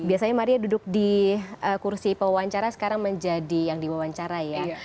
biasanya maria duduk di kursi pewawancara sekarang menjadi yang diwawancara ya